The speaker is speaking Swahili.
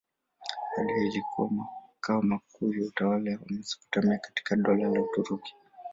Baadaye ilikuwa makao makuu ya utawala wa Mesopotamia katika Dola la Uturuki.